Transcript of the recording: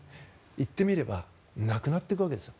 言ってみればなくなっていくわけですよ。